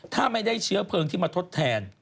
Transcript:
ถ้าไม่ได้เชื้อเพลิงที่มาทดแทน